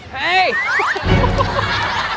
เฮ้ย